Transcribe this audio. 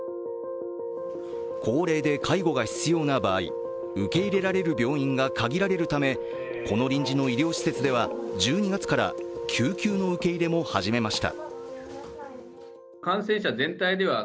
高齢で介護が必要な場合、受け入れられる病院が限られるため、この臨時の医療施設では１２月から救急の受け入れも始めました。